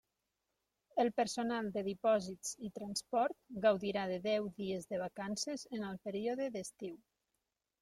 El personal de Dipòsits i Transport gaudirà de deu dies de vacances en el període d'estiu.